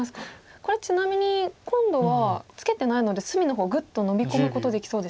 これちなみに今度はツケてないので隅の方グッとノビ込むことできそうですよね。